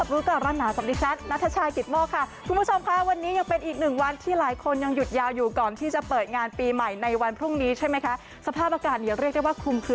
รู้ก่อนร้อนหนาว